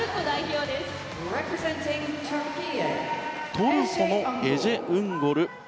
トルコのエジェ・ウンゴル。